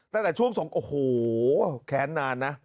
ตั้งแต่ช่วงส่งโอ้โหแค้นนานนะ